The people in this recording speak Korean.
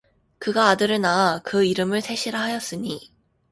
그가 아들을 낳아 그 이름을 셋이라 하였으니